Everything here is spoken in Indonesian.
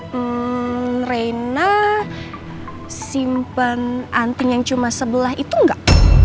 hmm reina simpen acting yang cuma sebelah itu gak